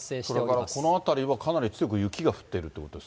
それからこの辺りはかなり強く雪が降っているということです